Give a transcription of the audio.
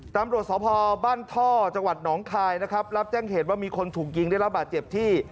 ตำรวจสพบ้านท่อจังหวัดหนองคายนะครับรับแจ้งเหตุว่ามีคนถูกยิงได้รับบาดเจ็บที่